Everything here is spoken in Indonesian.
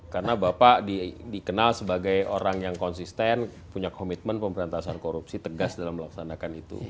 karena bapak dikenal sebagai orang yang konsisten punya komitmen pemberantasan korupsi tegas dalam melaksanakan itu